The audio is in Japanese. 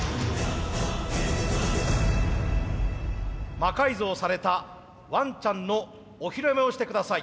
魔改造されたワンちゃんのお披露目をして下さい。